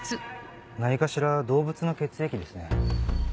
何かしら動物の血液ですね。